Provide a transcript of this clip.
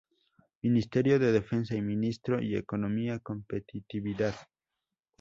Ministerio de Defensa y Ministerio de Economía y Competitividad.